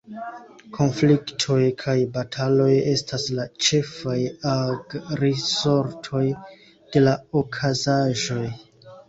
Konfliktoj kaj bataloj estas la ĉefaj ag-risortoj de la okazaĵoj.